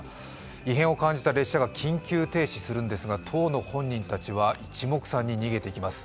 異変を感じた運転士が緊急停止するんですが当の本人たちは一目散に逃げていきます。